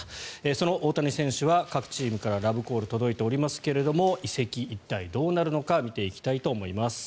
その大谷選手は各チームからラブコール届いておりますが移籍、一体どうなるのか見ていきたいと思います。